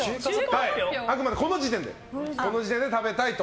あくまでこの時点で食べたい。